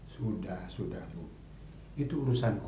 sudah sudah itu urusanku